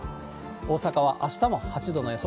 大阪はあしたも８度の予想。